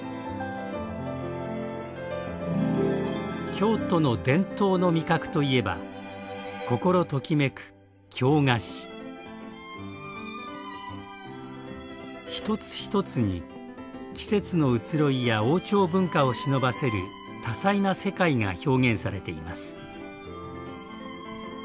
京都の伝統の味覚といえば一つ一つに季節の移ろいや王朝文化をしのばせる多彩な世界が表現されています。